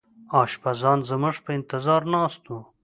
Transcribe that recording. اشپزان زموږ په انتظار ناست وو.